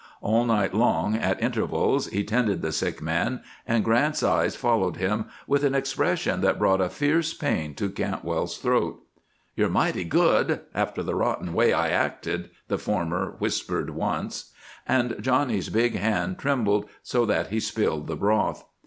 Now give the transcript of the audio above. All night long, at intervals, he tended the sick man, and Grant's eyes followed him with an expression that brought a fierce pain to Cantwell's throat. "You're mighty good after the rotten way I acted," the former whispered once. And Johnny's big hand trembled so that he spilled the broth.